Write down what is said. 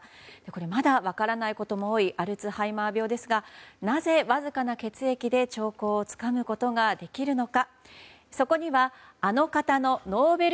まだ分からないことも多いアルツハイマー病ですがなぜ、わずかな血液で兆候をつかむことができるのか。